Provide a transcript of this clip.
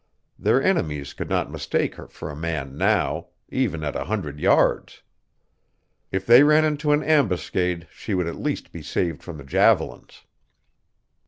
Their enemies could not mistake her for a man NOW, even at a hundred yards. If they ran into an ambuscade she would at least be saved from the javelins.